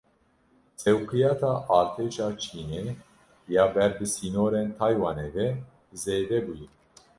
Sewqiyata Artêşa Çînê ya ber bi sînorên Taywanê ve zêde bûye.